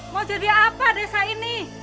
mau jadi apa desa ini